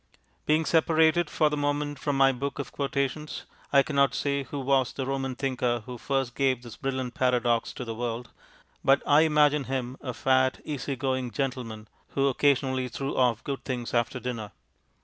Being separated for the moment from my book of quotations, I cannot say who was the Roman thinker who first gave this brilliant paradox to the world, but I imagine him a fat, easy going gentleman, who occasionally threw off good things after dinner.